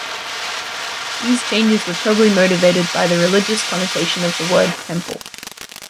These changes were probably motivated by the religious connotation of the word "temple".